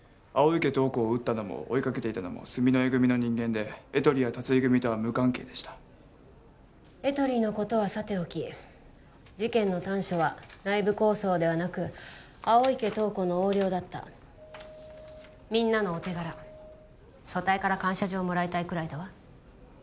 青池透子を撃ったのも追いかけていたのも住之江組の人間でエトリや辰井組とは無関係でしたエトリのことはさておき事件の端緒は内部抗争ではなく青池透子の横領だったみんなのお手柄組対から感謝状をもらいたいくらいだわ